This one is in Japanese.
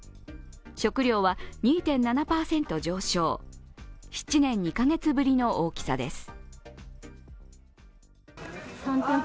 食料は２．７％上昇、７年２カ月ぶりの大きさです。